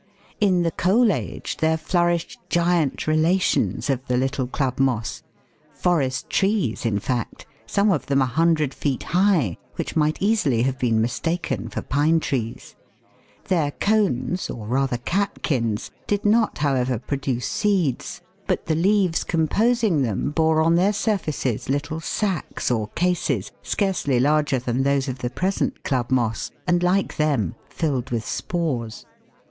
In the Coal Age there flourished giant relations of the little club moss, forest trees in fact, some of them a hundred feet high, which might easily have been mistaken for pine trees. Their cones, or rather catkins, did not, however, produce seeds, but the leaves composing them bore on their surfaces little sacs, or cases, scarcely larger than those of the present club moss, and, like them, filled with spores.